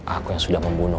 aku yang sudah membunuh